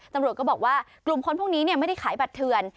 ตำรวจก็บอกว่ากลุ่มคนพวกนี้ไม่ได้ขายบัตรเถื่อน